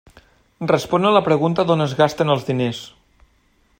Respon a la pregunta d'on es gasten els diners.